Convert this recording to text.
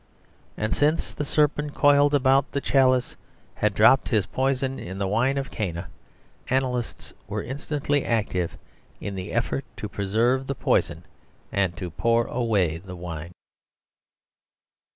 And since the serpent coiled about the chalice had dropped his poison in the wine of Cana, analysts were instantly active in the effort to preserve the poison and to pour away the wine.